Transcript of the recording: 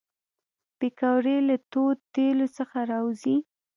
پکورې له تودو تیلو څخه راوزي